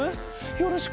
よろしく。